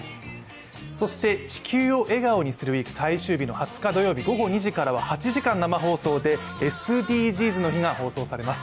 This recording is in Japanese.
そして、「地球を笑顔にするＷＥＥＫ」最終日の二十日土曜日は８時間生放送で「ＳＤＧｓの日」が放送されます。